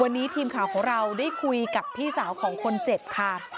วันนี้ทีมข่าวของเราได้คุยกับพี่สาวของคนเจ็บค่ะ